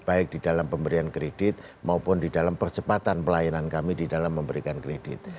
baik di dalam pemberian kredit maupun di dalam percepatan pelayanan kami di dalam memberikan kredit